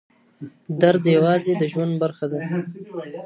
درد یوازې د ژوند برخه ده.